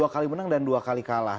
dua kali menang dan dua kali kalah